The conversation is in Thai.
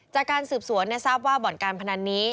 จากการสืบสวนทราบว่าบ่อนการพนันนี้